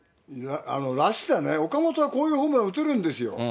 らしさね、岡本はこういうホームラン打てるんですよ。